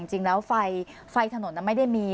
จริงแล้วไฟถนนไม่ได้มี